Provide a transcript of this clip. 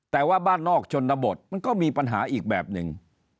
แต่ว่าบ้านนอกชนบทมันก็มีปัญหาอีกแบบหนึ่ง